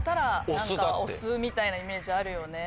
みたいなイメージあるよね。